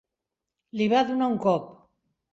Li va donar un cop.